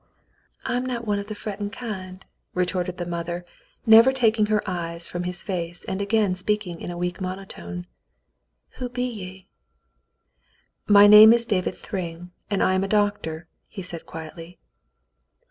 "I'm not one of the frettin' kind," retorted the mother, never taking her eyes from his face, and again speaking in a weak monotone. "Who be ye ?'* "My name is David Thryng, and I am a doctor," he said quietly.